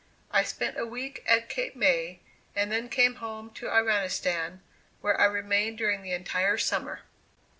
I spent a week at Cape May, and then came home to Iranistan, where I remained during the entire summer.